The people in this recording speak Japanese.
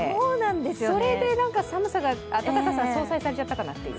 それで寒さが、暖かさが相殺されちゃったかなという。